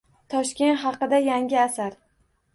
Toshkent haqida yangi asar